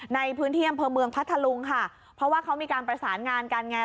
ในพื้นที่อำเภอเมืองพัทธลุงค่ะเพราะว่าเขามีการประสานงานกันไง